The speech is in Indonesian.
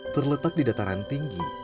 terletak di dataran tinggi